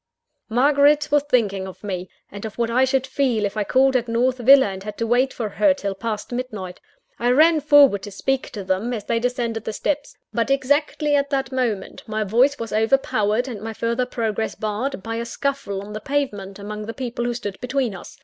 Margaret was thinking of me, and of what I should feel if I called at North Villa, and had to wait for her till past midnight. I ran forward to speak to them, as they descended the steps; but exactly at the same moment, my voice was overpowered, and my further progress barred, by a scuffle on the pavement among the people who stood between us.